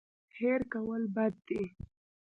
هېر کول بد دی.